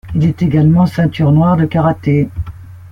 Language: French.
Il est également ceinture noire de karaté.